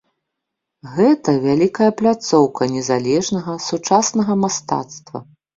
Гэта вялікая пляцоўка незалежнага сучаснага мастацтва.